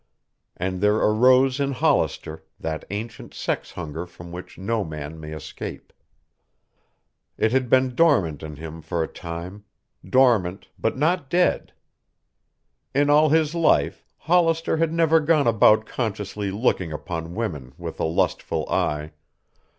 And there arose in Hollister that ancient sex hunger from which no man may escape. It had been dormant in him for a time; dormant but not dead. In all his life Hollister had never gone about consciously looking upon women with a lustful eye.